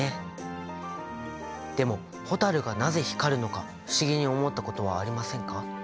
でも蛍がなぜ光るのか不思議に思ったことはありませんか？